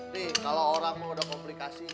nih kalau orang mau udah komplikasi